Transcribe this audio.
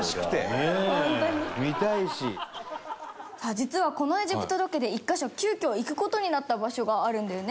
実はこのエジプトロケで１カ所急遽行く事になった場所があるんだよね？